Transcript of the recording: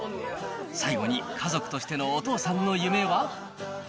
最後に、家族としてのお父さんの夢は？